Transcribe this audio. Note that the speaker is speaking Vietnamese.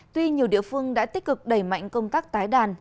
tuy nhiều địa phương đã tích cực đẩy mạnh công tác tái đàn